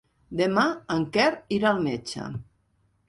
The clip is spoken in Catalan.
Demà en Quer irà al metge.